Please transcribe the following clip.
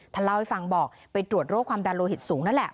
เล่าให้ฟังบอกไปตรวจโรคความดันโลหิตสูงนั่นแหละ